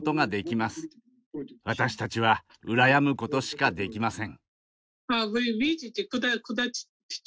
私たちは羨むことしかできません。